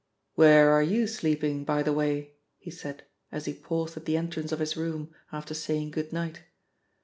"Where are you sleeping, by the way?" he said as he paused at the entrance of his room, after saying goodnight.